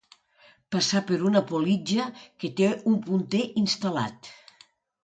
Passa per una politja que té un punter instal·lat.